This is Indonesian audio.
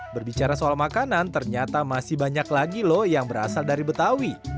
berbicara soal makanan ternyata masih banyak lagi loh yang berasal dari betawi